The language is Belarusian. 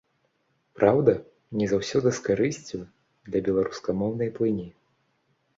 Праўда, не заўсёды з карысцю для беларускамоўнай плыні.